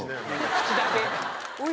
口だけ。